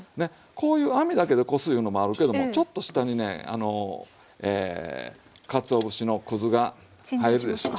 こういう網だけでこすいうのもあるけどもちょっと下にねあのかつお節のくずが入るでしょ。